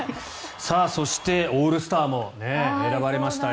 そして、オールスターも選ばれましたよ。